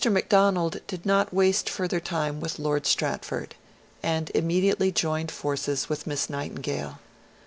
Macdonald did not waste further time with Lord Stratford, and immediately joined forces with Miss Nightingale.